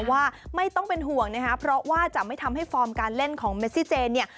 ว่าไม่ต้องเป็นห่วงนะคะเพราะว่าจะไม่ทำให้ฟอร์มการเล่นของเมซิเจนเนี่ย